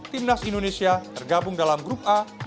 timnas indonesia tergabung dalam grup a bersama timnas ecuador